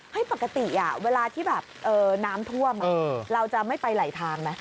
ปกติเวลาที่แบบน้ำท่วมเราจะไม่ไปไหลทางไหม